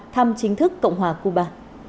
thăm chính thức cộng hòa cuba